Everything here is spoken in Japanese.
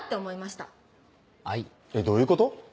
えっどういうこと？